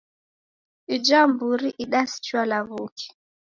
Ijha mburi idasichwa law'uke